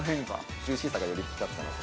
◆ジューシーさがより引き立つかなと。